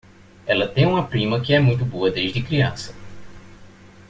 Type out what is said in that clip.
Ela tem uma prima que é muito boa desde criança.